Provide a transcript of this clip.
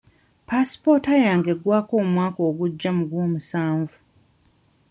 Paasipooti yange eggwako omwaka gujja mu gwomusanvu.